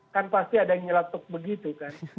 kan pasti ada yang nyeletuk begitu kan